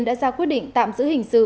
đã ra quyết định tạm giữ hình sự